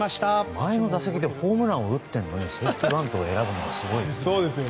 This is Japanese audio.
前の打席でホームランを打ってるのにセーフティーバントを選ぶのはすごい。